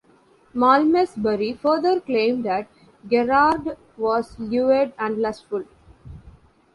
Malmesbury further claimed that Gerard was "lewd and lustful".